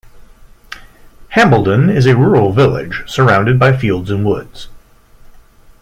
Hambledon is a rural village surrounded by fields and woods.